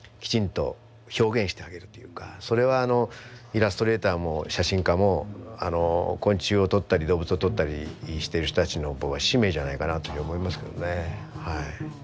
それはイラストレーターも写真家も昆虫をとったり動物をとったりしてる人たちの僕は使命じゃないかなというふうに思いますけどね。